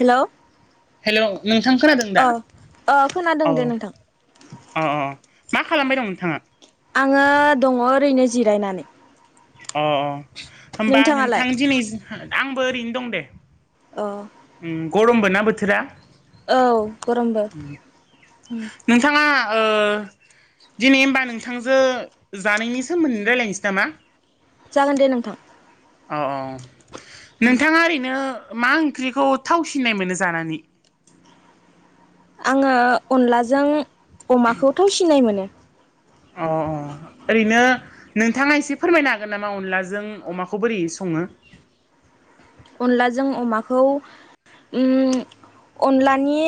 Hello hello नोंथां खोनादों अ दा? अ खोनादों औ दे नोंथां अ अ मा खालामबाय दं नोंथाङा? आङो दङ ओरैनो जिरायनानै। अ अ होमबा नोंथाङालाय नोंथां दिनै आंबो ओरैनो दं दे। अ उम गरमबो ना बोथोरा। औ गरमबो उम। नोंथाङा ओ दिनै होमबा नोंथांजो जानायनि सोमोन्दै रायलायनोसै नामा। जागोन दे नोंथां। औ औ उम नोंथाङा ओरैनो मा ओंख्रिखौ थावसिननाय मोनो जानानै? आङो अनलाजों अमाखौथ' सिनाय मोनो। अ अ ओरैनो नोंथाङा एसे फोरमायनो हागोन नामा अनलाजों अमाखौ बोरै सं ङो। अनलाजों अमाखौ उम अनलानि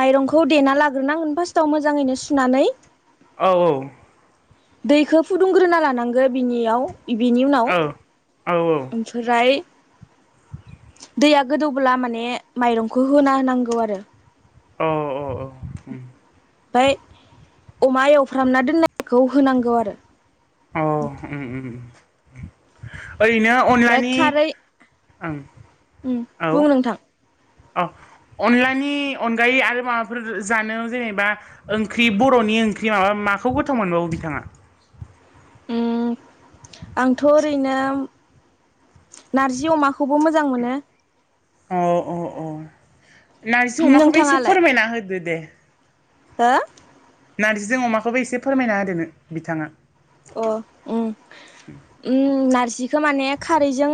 माइरंखौ देना लाग्रोनांगोन फास्टआव मोजाङैनो सुनानै। औ औ दैखौ फुदुंग्रोना लानांगो बिनियाव बिनि उनाव औ औ ओमफ्राय दैया गोदौब्ला माने माइरंखौ होना होनांगौ आरो। औ ओ ओ उम ओमफ्राय अमा एवफ्रामना दोननायखौ होनांगौ आरो। औ उम उम उम उम ओरैनो ओमफ्राय अनलानि खारै ओं उम औ बुं नोंथां अ अनलानि अनगायै आरो माबाफोर जानो जेनेबा ओंख्रि बर'नि ओंख्रि माबा- माखौ गोथाव मोनबावो बिथाङा? उम आंथ' ओरैनो नार्जि अमाखौबो मोजां मोनो। अ अ अ नार्जि अमाखौबो एसे फोरमायना होदो दे। हा? नार्जिजों अमाखौबो एसे फोरमायना होदो नो बिथाङा । अ उम उम नारज जिखो माने खारैजों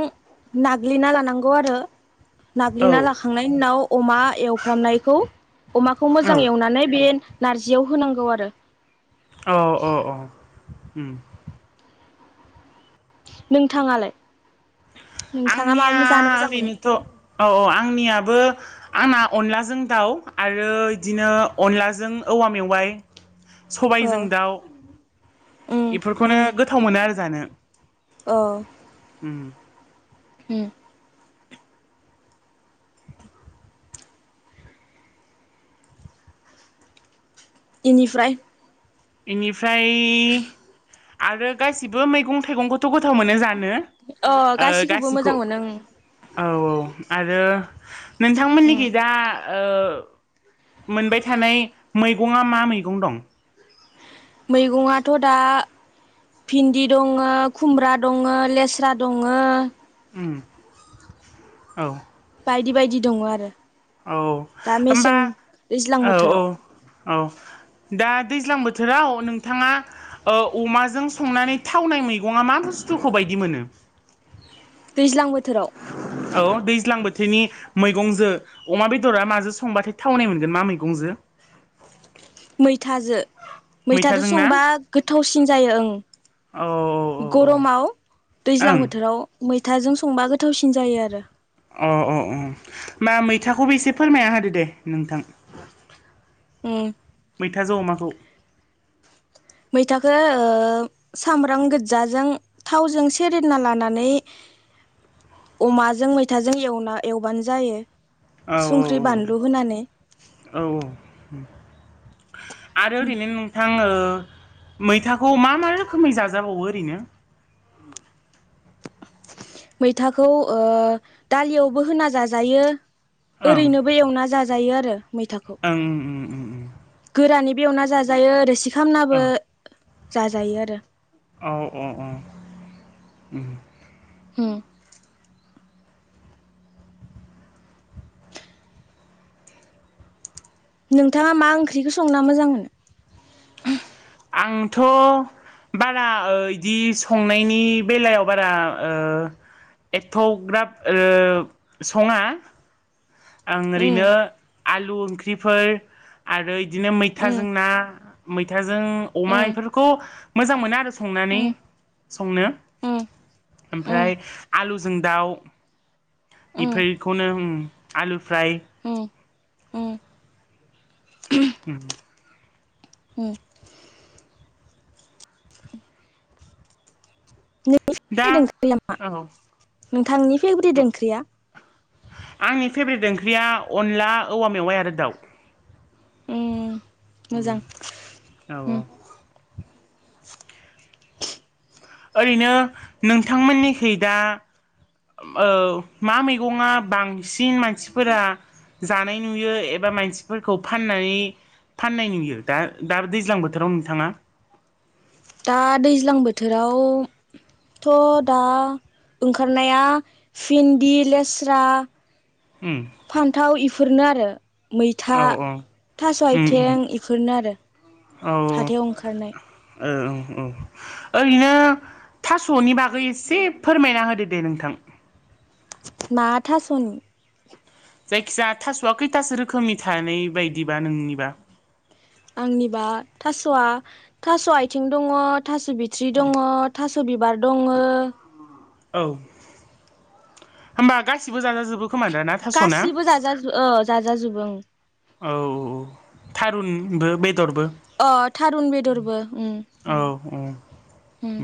नाग्लिना लानांगौ आरो । औ नाग्लिना लाखांनायनि उनाव अमा एवफ्रामनायखौ अमाखौ औ मोजां एवनानै बे नारजियाव होनांगौ आरो । अ अ अ उम । नोंथाङालाय? नोंथाङा मा आंनिया जानो मोजां मोनो ओरैनोथ' औ औ आंनियाबो आंना अनलाजों दाउ आरो इदिनो अनलाजों औवा मेवाइ । अ सबायजों दाउ उम बेफोरखौनो गोथाव मोनो आरो जानो । अ । उम । हम ‌। इनिफ्राय बेनिफ्राय आरो गासिबो मैगं थाइगंखौथ' गोथाव मोनो जा नो अ ओ गासिखौबो गासिखौ मोजां मोनो ओं औ औ आरो उम नोंथांमोननिखि दा ओ मोनबाय थानाय मैगंआ मा मैगं दं? मैगंआथ' दा भिन्दि दङो, खुमब्रा दङो, लेस्रा दङो उम औ । बायदि बायदि दङ आरो । औ होमबा दैज्लां औ औ बोथोराव औ दा दैज्लां बोथोराव नोंथाङा ओ अमाजों संनानै थावनाय मैगङा मा बुस्थुखौ बाय दि मोनो? दैज्लां बो औ दैज्लां बोथोरनि मैगंजो अमा बेदरा माजो संबाथाय थावनाय मोनगोन मा मैगंजो? मैथाजो मैथादो मैथाजों ना संबा गोथावसिन जायो ओं औ । औ गरमाव दैज्लां ओं बोथोराव मैथाजों संबा गोथावसिन जायो आरो । अ अ अ मा मैथाखौबो एसे फोरमायना होदो दे नोंथां । उम । मैथाजो अमाखौ । मैथाखो ओ सामब्राम गोजाजों थावजों सेरेना लानानै [inaudible] अमाजों मैथाजों एवना-एवबानो जायो औ । औ संख्रि बानलु होनानै । औ आरो ओरैनो नोंथां ओ ओ मैथाखौ मा मा रोखोमै जाजाबावो ओरैनो? मैथाखौ ओ दालियावबो होना जाजायो । ओं ओरैनोबो एवना जाजायो आरो मैथाखौ ओं उम उम उम । गोरानि बे एवना जाजायो रोसि औ खामनाबो जाजायो आरो । औ अ‌ अ उम । होे । नोंथाङा मा ओंख्रिखौ संना मोजां मोनो? आं थ' बारा ओ इदि संनायनि बेलायाव बारा ओ एथ'ग्राब ओ संङा । आं ओरैनो उम आलु ओंख्रिफोर आरो इदिनो मैथा उम जों ना मैथाजों अमा उम बेफोरखौ मोजां मोनो आरो संनानै संनो उम उम ओमफ्राय आलुजों दाउ बेफोरफोरखौनो ओ आलु फ्राय। उम उम उम हो उम नोंनि दा फेभरेट ओंख्रिया मा औ नोंथांनि फेब्रिट ओंख्रिया? आंनि फेभ्रेट ओंख्रिया अनला औवा मेवाइ आरो दाउ। उम उम मोजां। औ औ ओरैनो नोंथांमोननिखै दा औ मा मैगंआ बांसिन मानसिफोरा जानाय नुयो एबा मानसिफोरखौ फाननानै फाननाय नुयो दा -दा दैज्लां बोथोराव नोंथाङा दा दैज्लां बोथोराव थ' दा ओंखारनाया भिन्दि लेस्रा उम फान्थाव इफोरनो आरो। मैथा औ थास' उम उम आयथें इफोरनो आरो। हाथायाव ओंखारनाय ओ ओं‌ औ। ओरैनो थास'नि‍‍‌‌ बागै एसे फोरमायना होदो दे नोंथां। मा थासनि? जायखिजा थास'आ खैथासो रोखोमनि थानाय बायदिबा नोंनिबा? आंनिबा थास'आ थास' आथिं दंङ थास' बिथ्रि दङ थास' बिबार दङो औ होमबा गासिबो जाजाजोबो खोमा दा ना थास'ना गासिबो जाजा औ जाजाजोबो ओं। औ थारुनबो बे दरबो अ थारुन बेदरबो उम औ औ उम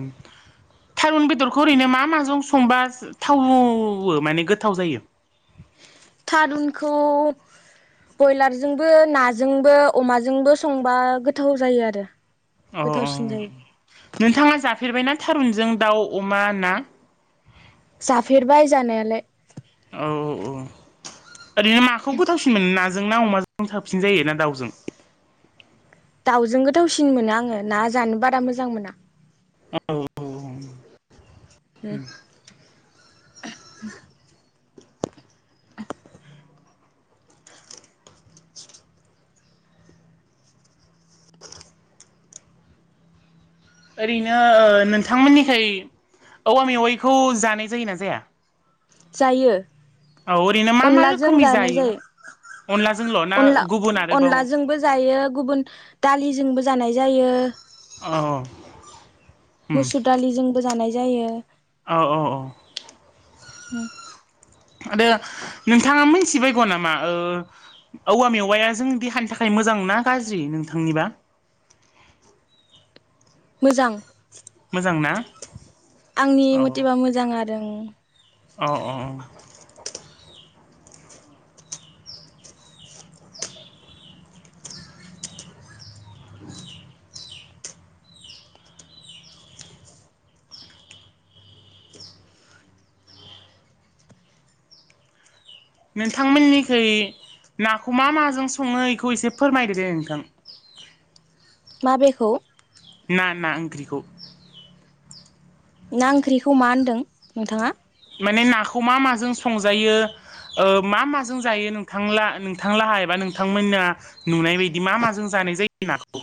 थारुन बेदरखौ ओरैनो मा माजों संबा थावो माने गोथाव जायो? थारुनखौ बयलारजोंबो नाजोंबो अमाजोंबो संबा गोथाव जायो आरो। अ' औ गोथावसिन जायो नोंथाङा जाफेरबायना थारुनजों दाउ अमा ना? जाफेरबाय जानायालाय। औ औ ओरैनो माखौ गोथावसिन मोनो ना जों ना अमाजों साबसिन जायो ना दाउजों? दाउजों गोथावसिन मोनो आङो ना जानो बारा मोजां मोना। औ उम उम [inaudible] ओरैनो ओ नोंथांमोननिखै औवा मेवाइखौ जानाय जायोना जाया? जायो औ ओरैनो मा मा अनलाजों रोखोमनि जानाय जायो। अनलाजोंल' ना अनला गुबुन आरोबाव अनलाजोंबो जायो गुबुन दालिजोंबो जानाय जायो। औ मुसुर दालिजोंबो जानाय जायो। औ औ [inaudible] आरो नोंथाङा मोनथिबायगौ नामा ओ औवा मेवाया जोंनि देहानि थाखाय मोजां ना गाज्रि नोंथांनिबा? [inaudible] मोजां। मोजां ना? आंनि औ मतेबा मोजां आरो। औ अ [unintelligible] नोंथांमोननिखै नाखौ मा माजों सङो इखौ एसे फोरमायदो दे नोंथां माबेखौ? ना ना ओंख्रिखौ ना ओंख्रिखौ मा होनदों नोंथाङा? माने नाखौ मा माजों संजायो मा माजों जायो नोंथां जनाय जायो नाखौ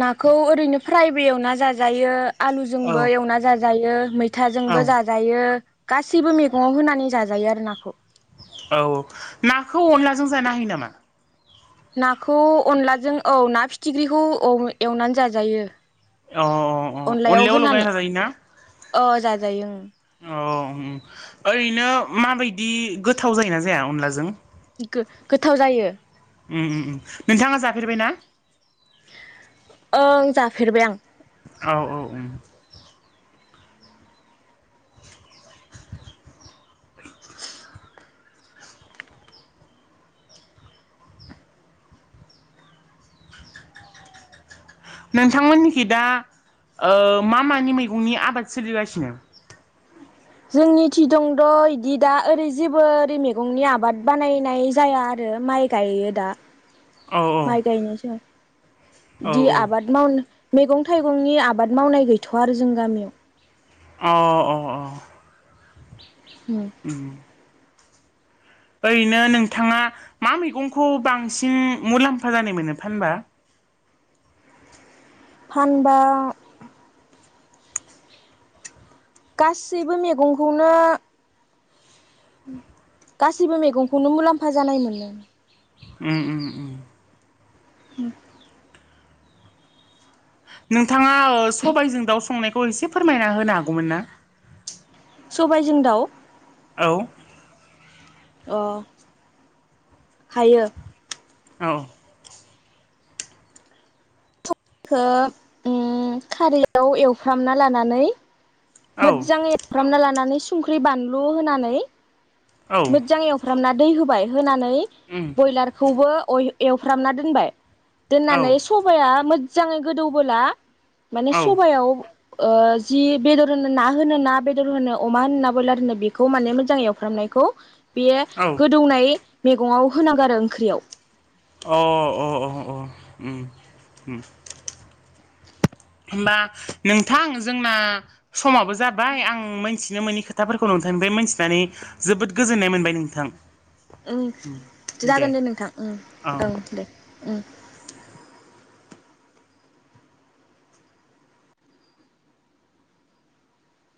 नाखौ ओरैनो फ्रायबो एवना जाजायो औ आलुजोंबो एवना जाजायो मै औ फिथाजोंबो जाजायो गासैबो मैगङाव होनानै जाजायो आरो नाखौ औ नाखौ अनलाजों जानो हायो नामा? नाखौ अनलाजों औ ना फिथिख्रिखौ एवनानै जाजायो अ अ अ अनलायाव लगायना जाजायोना ओ जाजायो ओं अ उम ओरैनो माबायदि गोथाव जायोना जाया अनलाजों गो गोथाव जायो उम उम उम नोंथाङा जाफेरबाय ना? ओं जाफेरबाय आं औ औ उम नोंथांमोननिखि दा ओ मा-मानि मैगंनि आबाद सोलिगासिनो जोंनि थि दंद' इदि दा ओरै जेबो ओरै मैगंनि आबाद बानायनाय जाया आरो माइ गायो दा औ औ माइ गायनायसो औ दि औ आबाद मावनो मैगं थाइगंनि आबाद मावनाय गैथ'आ आरो जों गामियाव अ अ अ उम [inaudible] ओरैनो नोंथाङा मा मैगंखौ बांसिन मुलाम्फा जानाय मोनो फानबा फानबा गासैबो मैगंखौनो गासिबो मैगंखौनो मुलाम्फा जानाय मोनदों उम उम उम। [unintelligible] नोंथाङा ओ सबायजों दाउ संनायखौ एसे फोरमायना होनो हागौमोन ना सबायजों दाउ औ। अ हायो। औ। खौब ओम खारैयाव एवफ्रामना लानानै औ मोज्जांङै एवफ्रामना लानानै संख्रि बानलु होनानै औ मोज्जां एवफ्रामना दै होबाय होनानै उम ब्रयलारखौबो एवफ्रामना दोनबाय दोननानै औ सबाया मोजाङै गोदौबोला माने औ सबायाव ओ जि बेदर होनो ना होनो ना बेदर होनो अमा होनो ना ब्रयलार होनो बेखौ माने मोजां एवफ्रामनायखौ बेयो औ गोदौनाय मैगङाव होनांगौ आरो ओंख्रियाव अ अ अ अ उम उम। होमबा नोंथां जोंना समाबो जाबाय आं मिथि नो मोनि खोथाफोरखौ नोंथांनिफ्राय मिथिनानै जोबोद गोजोननाय मोनबाय नोंथां। उम जागोन दे नोंथां उम औ ओं दे।